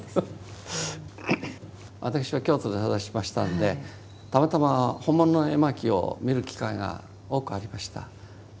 私は京都で育ちましたんでたまたま本物の絵巻を見る機会が多くありました。